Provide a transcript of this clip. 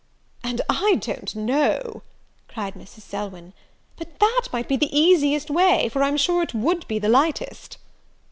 "And I don't know," cried Mrs. Selwyn, "but that might be the easiest way; for I'm sure it would be the lightest."